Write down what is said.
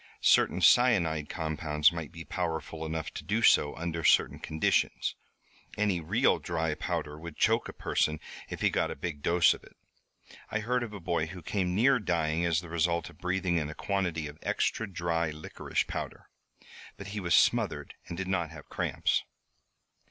Certain cyanide compounds might be powerful enough to do so under certain conditions. Any real dry powder would choke a person if he got a big dose of it. I heard of a boy who came near dying as the result of breathing in a quantity of extra dry licorice powder. But he was smothered and did not have cramps."